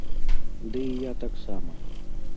Ды і я таксама!